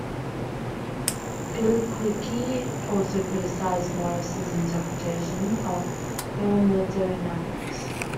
Pigliucci also criticized Morris' interpretation of thermodynamics.